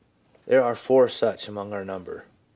There are four such among our number.